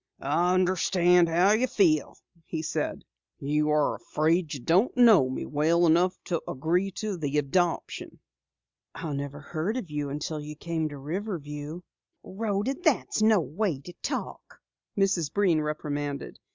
"I understand how you feel," he said. "You are afraid you don't know me well enough to agree to the adoption." "I never heard of you until you came to Riverview." "Rhoda, that's no way to talk!" Mrs. Breen reprimanded.